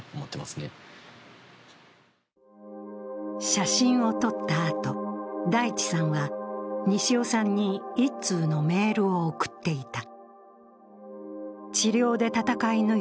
写真を撮ったあと、大地さんは西尾さんに一通のメールを送っていた。